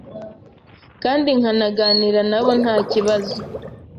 kandi nkanaganira na bo ntakibazo